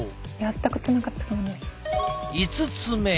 ５つ目。